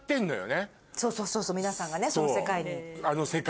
そうそうそう皆さんがねその世界で。